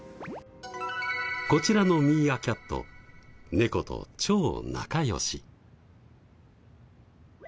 こちらのミーアキャット猫と超仲良し。